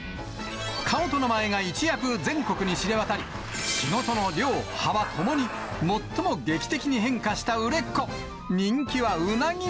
顔と名前が一躍全国に知れ渡り、仕事の量、幅ともに最も劇的に変化した売れっ子。